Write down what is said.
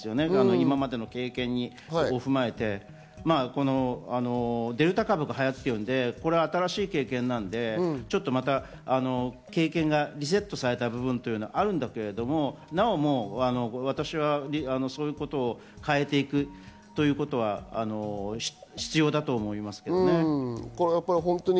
今までの経験を踏まえて、デルタ株が流行ってるんで、新しい経験なので、また経験がリセットされた部分はあるんだけれども、なおも私は、そういうこと変えていくということは必要だと思いますけどね。